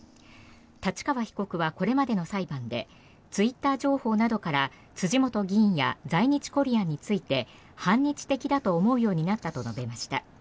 太刀川被告はこれまでの裁判でツイッター情報などから辻本議員や在日コリアンについて反日的だと思うようになったと述べました。